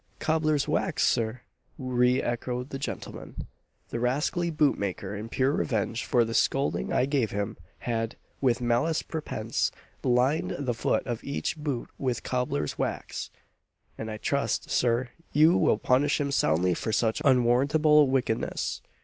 "Cobbler's wax, Sir!" re echoed the gentleman. "The rascally boot maker, in pure revenge for the scolding I gave him had, with malice prepense, lined the foot of each boot with cobbler's wax! and I trust, Sir, you will punish him soundly for such unwarrantable wickedness."